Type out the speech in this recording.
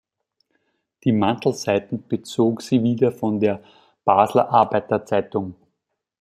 Die Mantelseiten bezog sie wieder von der "Basler Arbeiter-Zeitung".